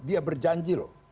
dia berjanji loh